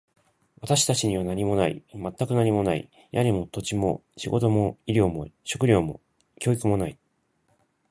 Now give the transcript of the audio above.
私たちには何もない。全く何もない。屋根も、土地も、仕事も、医療も、食料も、教育もない。